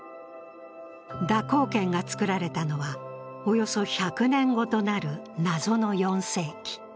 蛇行剣が作られたのは、およそ１００年後となる謎の４世紀。